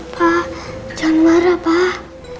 pak jangan marah pak